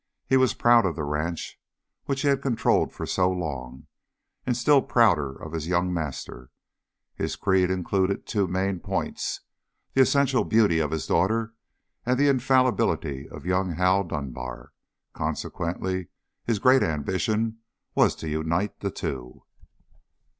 He was proud of the ranch which he had controlled for so long, and still prouder of his young master. His creed included two main points the essential beauty of his daughter and the infallibility of young Hal Dunbar; consequently his great ambition was to unite the two.